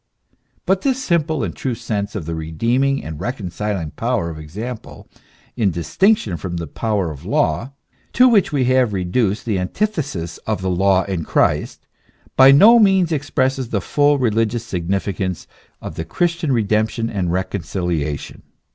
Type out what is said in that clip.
But this simple and true sense of the redeeming and reconciling power of example in distinction from the power of law, to which we have reduced the antithesis of the law and Christ, by no means expresses the full religious significance of the Christian redemption and reconciliation.